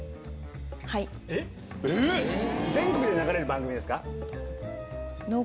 全国で流れる番組ですか？